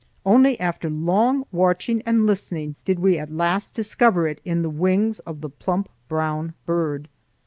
Only after long watching and listening did we at last discover it in the wings of the plump brown bird.